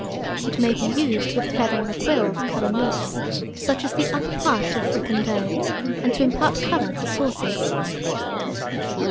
It may be used with the feather of a quill, to colour meats, such as the upper part of fricandeaux; and to impart colour to sauces.